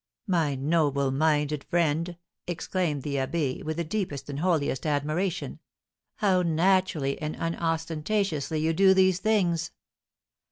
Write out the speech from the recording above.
"My noble minded friend," exclaimed the abbé, with the deepest and holiest admiration, "how naturally and unostentatiously you do these things!